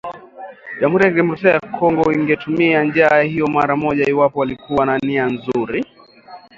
jamhuri ya kidemokrasia ya Kongo ingetumia njia hiyo mara moja iwapo walikuwa na nia nzuri